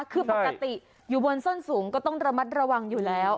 คือปกติอยู่บนส้นสูงก็ต้องระมัดระวังอยู่แล้ว